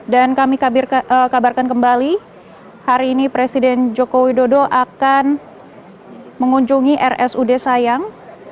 dan kami kabarkan kembali hari ini presiden joko widodo akan mengunjungi rsud sayang